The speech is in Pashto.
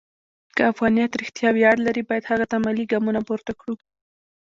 که افغانیت رښتیا ویاړ لري، باید هغه ته عملي ګامونه پورته کړو.